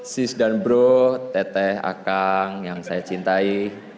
sis dan bro teteh akang yang saya cintai